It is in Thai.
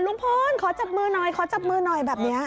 ลุงพลขอจับมือหน่อยแบบนี้